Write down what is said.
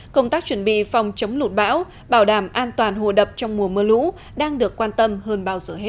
công tác chuẩn bị phòng chống lụt bão bảo đảm an toàn hồ đập trong mùa mưa lũ đang được quan tâm hơn bao giờ hết